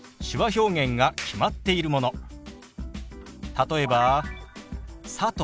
例えば「佐藤」。